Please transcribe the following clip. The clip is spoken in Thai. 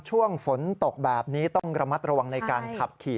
ช่วงฝนตกแบบนี้ต้องระมัดระวังในการขับขี่